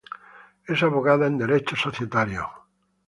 Es abogada en derecho societario.